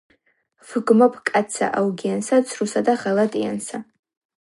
ვჰგმობ კაცსა აუგიანსა, ცრუსა და ღალატიანსა.